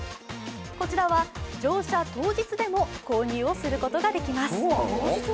こちらは、乗車当日でも購入をすることができます。